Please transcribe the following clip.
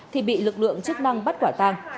thì bị lực lượng chức năng bắt quả tang